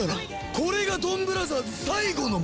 これがドンブラザーズ最後の祭りだ。